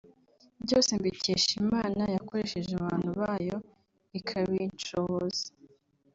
byose mbikesha Imana yakoresheje abantu bayo ikabinshoboza